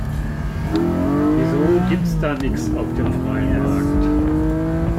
Wieso gibt's da nix auf dem freien Markt?